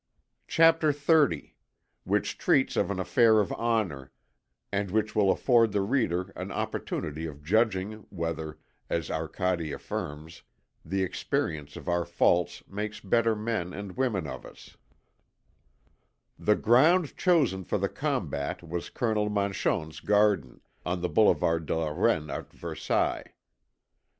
CHAPTER XXX WHICH TREATS OF AN AFFAIR OF HONOUR, AND WHICH WILL AFFORD THE READER AN OPPORTUNITY OF JUDGING WHETHER, AS ARCADE AFFIRMS, THE EXPERIENCE OF OUR FAULTS MAKES BETTER MEN AND WOMEN OF US The ground chosen for the combat was Colonel Manchon's garden, on the Boulevard de la Reine at Versailles.